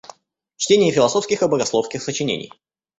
Чтение философских и богословских сочинений.